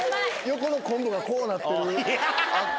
横の昆布がこうなってるあっ